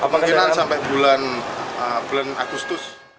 mungkin sampai bulan agustus